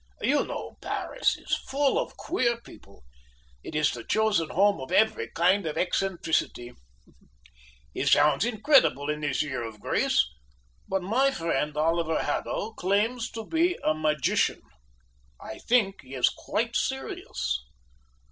"You know, Paris is full of queer people. It is the chosen home of every kind of eccentricity. It sounds incredible in this year of grace, but my friend Oliver Haddo claims to be a magician. I think he is quite serious."